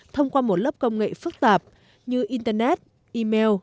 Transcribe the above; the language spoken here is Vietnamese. thông qua một lớp công nghệ phức tạp như internet email